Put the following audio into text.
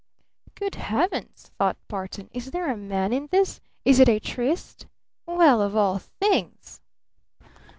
"Good Heavens," thought Barton, "is there a man in this? Is it a tryst? Well, of all things!"